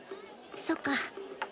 そっか。